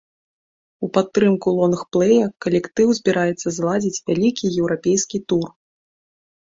У падтрымку лонгплэя калектыў збіраецца зладзіць вялікі еўрапейскі тур.